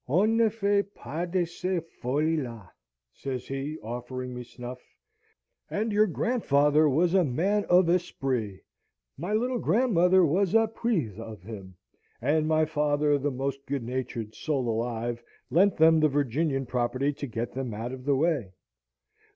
"On ne fait pas de ces folies la!" says he, offering me snuff, "and your grandfather was a man of esprit! My little grandmother was eprise of him: and my father, the most good natured soul alive, lent them the Virginian property to get them out of the way!